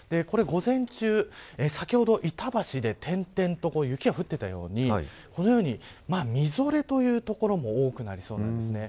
午前中、先ほど板橋で点々と雪が降っていたようにこのように、みぞれという所も多くなりそうなんです。